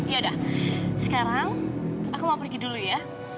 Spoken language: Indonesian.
yaudah sekarang aku mau pergi dulu ya